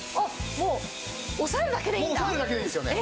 もう押さえるだけでいいんですよね。